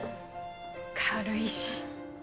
軽いし。